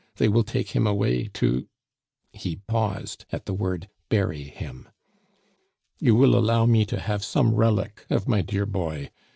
They will take him away to " He paused at the word "bury him." "You will allow me to have some relic of my dear boy!